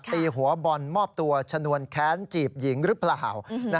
ตีหัวบอลมอบตัวชนวนแค้นจีบหญิงหรือเปล่า